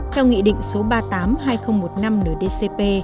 theo nghị định số ba mươi tám hai nghìn một mươi năm ndcp